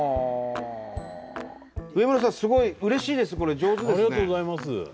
すごいうれしいですこれ上手ですね。